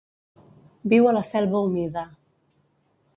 Viu a la selva humida.